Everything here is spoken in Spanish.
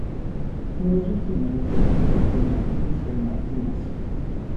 Uno de sus primeros redactores fue Martín C. Martínez.